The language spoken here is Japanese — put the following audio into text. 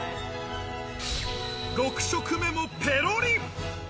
６食目もペロリ。